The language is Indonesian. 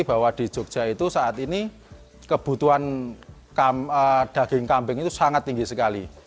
bahwa di jogja itu saat ini kebutuhan daging kambing itu sangat tinggi sekali